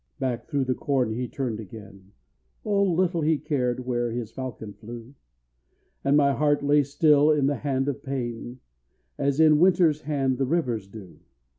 2 Back through the corn he turned again, (Oh little he cared where his falcon flew!) And my heart lay still in the hand of pain, As in winter's hand the rivers do.